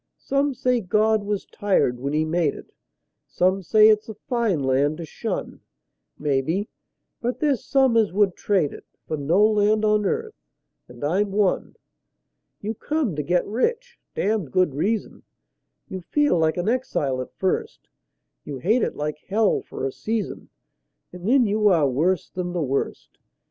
Some say God was tired when He made it; Some say it's a fine land to shun; Maybe; but there's some as would trade it For no land on earth and I'm one. You come to get rich (damned good reason); You feel like an exile at first; You hate it like hell for a season, And then you are worse than the worst.